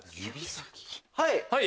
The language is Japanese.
はい。